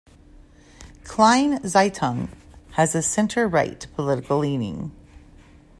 "Kleine Zeitung" has a center-right political leaning.